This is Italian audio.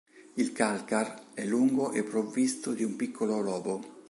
Il calcar è lungo e provvisto di un piccolo lobo.